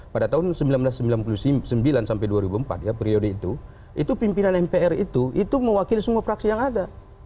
pada tahun seribu sembilan ratus sembilan puluh sembilan sampai dua ribu empat ya periode itu itu pimpinan mpr itu itu mewakili semua fraksi yang ada